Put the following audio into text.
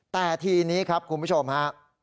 แต่ทีนี้ครับคุณผู้ชมฮะ